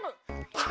はい！